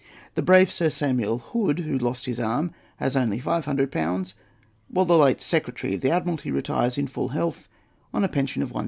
The brave Sir Samuel Hood, who lost his arm, has only 500£., whilst the late Secretary of the Admiralty retires, in full health, on a pension of 1500£.